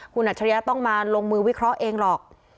คุณอัจฉริยะต้องมาลงมือวิเคราะห์เองหรอก